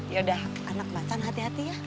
yaudah anak macan hati hati ya